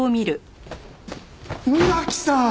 村木さん！